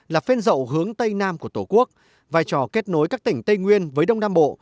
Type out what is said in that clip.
là phên dậu hướng tây nam của tổ quốc vai trò kết nối các tỉnh tây nguyên với đông nam bộ